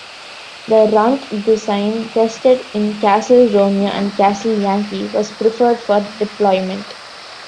The "Runt" design tested in Castle Romeo and Castle Yankee was preferred for deployment.